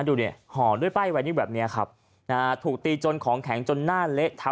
ดูเนี่ยห่อด้วยป้ายไว้นิดแบบเนี่ยครับถูกตีจนของแข็งจนหน้าเละ